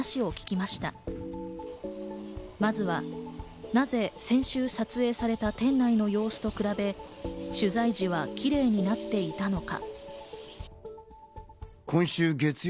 まずは、なぜ先週撮影された店内の様子と比べ、取材時はきれいになっていたのか。